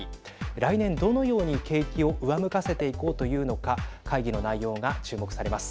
来年どのように景気を上向かせていこうというのか会議の内容が注目されます。